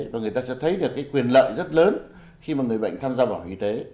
và người ta sẽ thấy được cái quyền lợi rất lớn khi mà người bệnh tham gia bảo hiểm y tế